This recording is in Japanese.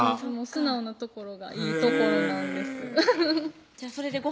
素直なところがいいところなんです